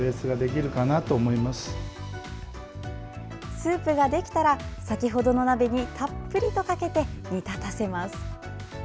スープができたら先ほどの鍋にたっぷりとかけて煮立たせます。